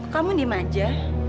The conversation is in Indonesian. kamu diam aja